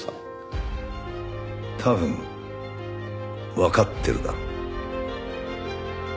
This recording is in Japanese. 多分わかってるだろ。